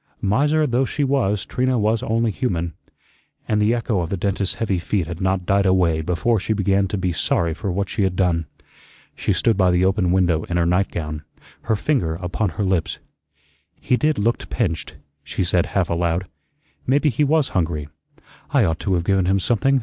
Miser though she was, Trina was only human, and the echo of the dentist's heavy feet had not died away before she began to be sorry for what she had done. She stood by the open window in her nightgown, her finger upon her lips. "He did looked pinched," she said half aloud. "Maybe he WAS hungry. I ought to have given him something.